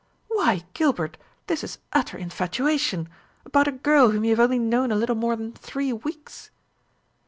"Why, Gilbert, this is utter infatuation about a girl whom you have only known a little more than three weeks!"